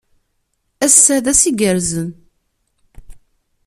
Ass-a d ass igerrzen.